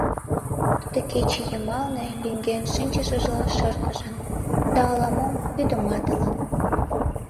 Тудо кече йымалне лӱҥген шинчышыжла шыргыжын да ала-мом вудыматылын.